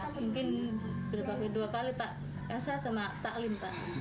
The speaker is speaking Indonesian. mungkin berpakai dua kali pak esa sama pak lim